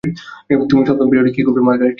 তুমি সপ্তম পিরিয়ডে কি করবে, মার্গারেট ইয়াং?